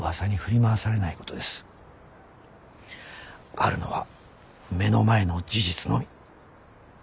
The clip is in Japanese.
あるのは目の前の事実のみ。